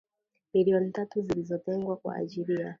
Milioni tatu zilizotengwa kwa ajili ya